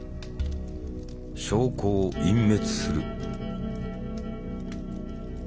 証拠を隠滅する。